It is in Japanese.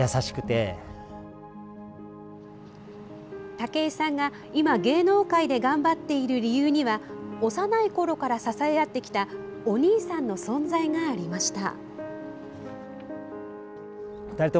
武井さんが、今芸能界で頑張っている理由には幼いころから支え合ってきたお兄さんの存在がありました。